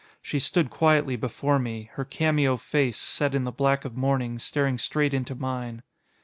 She stood quietly before me, her cameo face, set in the black of mourning, staring straight into mine.